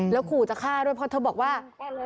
แล้วขู่จะฆ่าด้วยเพราะเธอบอกว่า